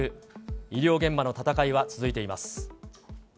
医療現場の闘いは続いています。